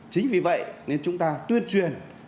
chính vì vậy nên chúng ta tuyên truyền